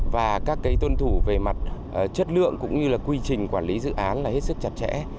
và các cái tuân thủ về mặt chất lượng cũng như là quy trình quản lý dự án là hết sức chặt chẽ